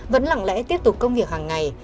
vẫn lặng lẽ tiếp tục công việc hàng ngày